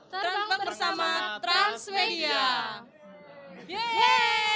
terbang bersama transmedia